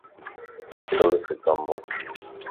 عقل سين ڪم وٺ